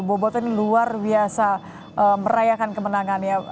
boboto ini luar biasa merayakan kemenangan ya